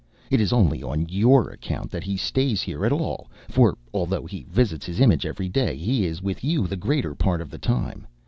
It is only on your account that he stays here at all, for, although he visits his image every day, he is with you the greater part of the time.